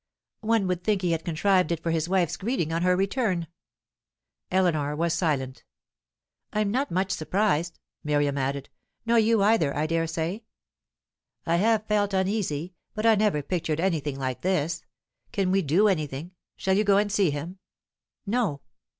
"One would think he had contrived it for his wife's greeting on her return." Eleanor was silent. "I am not much surprised," Miriam added. "Nor you either, I dare say?" "I have felt uneasy; but I never pictured anything like this. Can we do anything? Shall you go and see him?" "No."